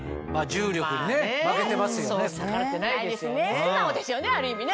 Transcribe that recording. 素直ですよねある意味ね。